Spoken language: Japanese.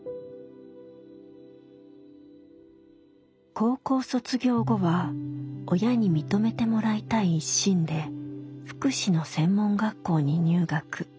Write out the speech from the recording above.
高校卒業後は親に認めてもらいたい一心で福祉の専門学校に入学。